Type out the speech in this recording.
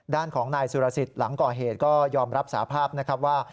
ด้านของนายสุรสิทธิ์หลังก่อเหตุก็ยอมรับสาภาพนะครับว่า